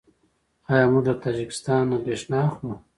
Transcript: آیا موږ له تاجکستان بریښنا اخلو؟